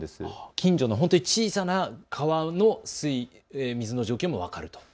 近所の小さな川の水の状況も分かると。